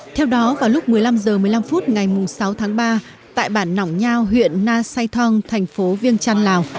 theo đó vào lúc một mươi năm h một mươi năm phút ngày sáu tháng ba tại bản nỏng nhao huyện na sai thong thành phố viêng trăn lào